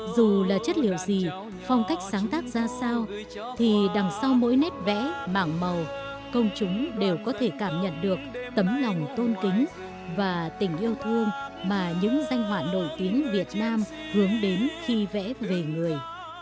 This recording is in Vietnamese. dù là chất liệu gì phong cách sáng tác ra sao thì đằng sau mỗi nét vẽ mảng màu công chúng đều có thể cảm nhận được tấm lòng tôn kính và tình yêu thương mà những danh họa nổi tiếng việt nam hướng đến khi vẽ về người